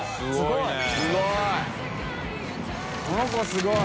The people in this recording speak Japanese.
すごい。